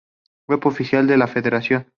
Web oficial de la federación